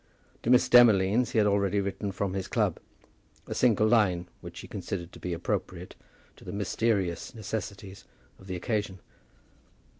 To Miss Demolines he had already written from his club, a single line, which he considered to be appropriate to the mysterious necessities of the occasion.